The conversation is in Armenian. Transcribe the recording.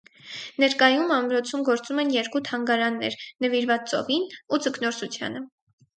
Ներկայում ամրոցում գործում են երկու թանգարաններ՝ նվիրված ծովին ու ձկնորսությանը։